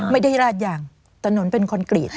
ไม่ได้ราดยางถนนเป็นคอนกรีต